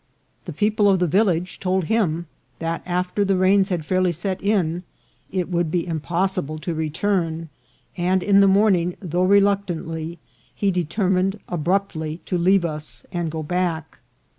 The people of the village told him that after the rains had fairly set in it would be impossible to return, and in the morning, though reluctantly, he determined abruptly to leave us and go back.